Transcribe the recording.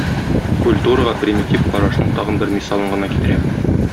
Культурага примитив карашның тагын бер мисалын гына китерәм.